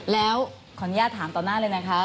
แล้วขออนุญาตถามต่อหน้าเลยนะคะ